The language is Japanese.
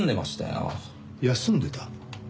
休んでた？